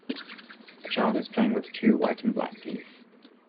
A child is playing with two white and black geese.